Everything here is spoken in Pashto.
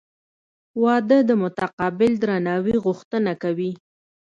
• واده د متقابل درناوي غوښتنه کوي.